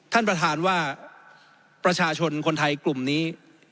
ท่านประธานว่าประชาชนคนไทยกลุ่มนี้